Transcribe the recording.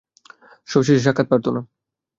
Show শেষে সাক্ষাত প্রার্থনা।